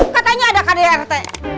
katanya ada kdrt